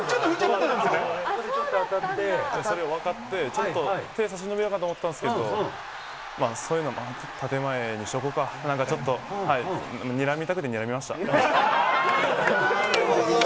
それを分かって、ちょっと手を差し伸べようかと思ったんですけど、そういうの建前にしとこうか、なんかちょっとにらみたくてにらみました。